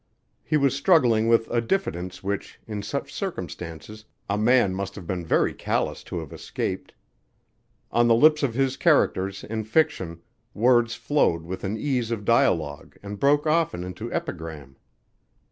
He was struggling with a diffidence which, in such circumstances, a man must have been very callous to have escaped. On the lips of his characters, in fiction, words flowed with an ease of dialogue and broke often into epigram.